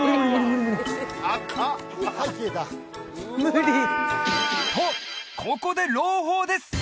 無理とここで朗報です！